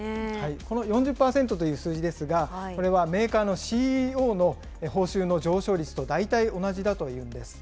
この４０％という数字ですが、これはメーカーのＣＥＯの報酬の上昇率と大体同じだというんです。